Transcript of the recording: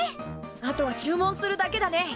あとは注文するだけだね。